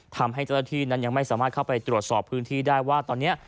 ทำให้เจ้าหน้าที่นั้นยังไม่สามารถเข้าไปตรวจสอบพื้นที่ได้ว่าตอนนี้